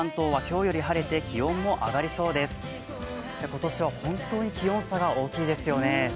今年は本当に気温差が大きいですよね。